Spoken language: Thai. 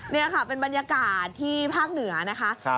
นี่ค่ะเป็นบรรยากาศที่ภาคเหนือนะคะ